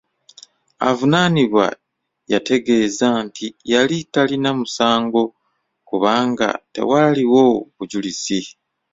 Avunaanibwa yategeeza nti yali talina musango kubanga tewaaliwo bujulizi.